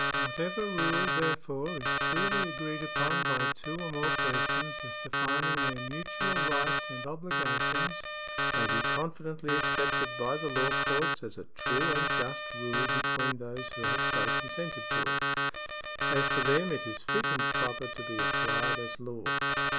What ever rule, therefore, is freely agreed upon by two or more persons as defining their mutual rights and obligations may be ID. 50. 17. 2Q7. 122 THE SOURCES OF LAW [§ 46 confidently accepted by the law courts as a true and just rule between those who have so consented to it. As to them, it is fit and proper to be applied as law.